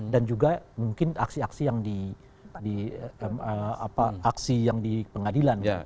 dan juga mungkin aksi aksi yang di pengadilan